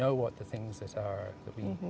kita tahu apa yang kita lakukan